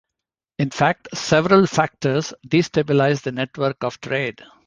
In fact, several factors destabilized the network of trade.